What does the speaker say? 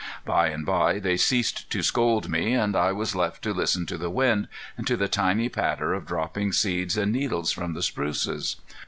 By and bye they ceased to scold me, and I was left to listen to the wind, and to the tiny patter of dropping seeds and needles from the spruces.